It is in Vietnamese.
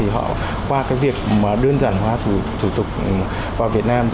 họ qua việc đơn giản hóa thủ tục vào việt nam